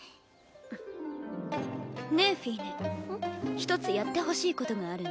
一つやってほしいことがあるの。